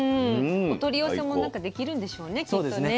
お取り寄せもできるんでしょうねきっとね。